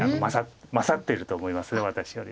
勝ってると思います私より。